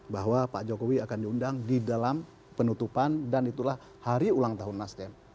bahwa pak jokowi akan diundang di dalam penutupan dan itulah hari ulang tahun nasdem